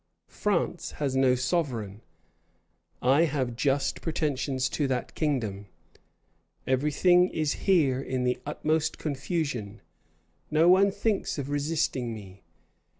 France has no sovereign: I have just pretensions to that kingdom: every thing is here in the utmost confusion: no one thinks of resisting me.